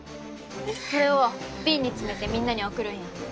これを瓶に詰めてみんなに送るんや。